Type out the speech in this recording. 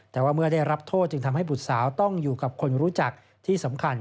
แต่ว่าเมื่อได้รับโทษจึงทำให้บุตรสาวต้องอยู่กับคนรู้จักที่สำคัญ